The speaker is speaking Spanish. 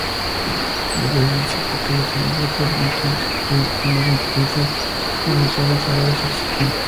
La presencia portuguesa en África pronto interfirió con los intereses comerciales árabes existentes.